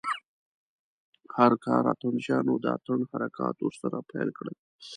هر کاره اتڼ چيانو د اتڼ حرکات ورسره پيل کړل.